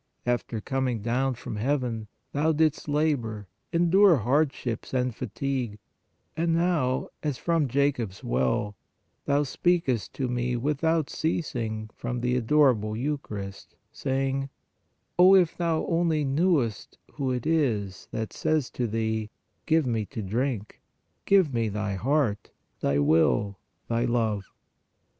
After coming down from heaven, Thou didst labor, endure hardships and fatigue, and now, as from Jacob s well, Thou speakest to me without ceasing from the adorable Eucharist, saying :" Oh, if thou only knewest who it is that says to thee, give Me to drink, give Me thy heart, thy will, thy love!